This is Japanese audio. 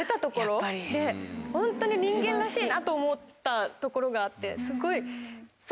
ホントに人間らしいなと思ったところがあって。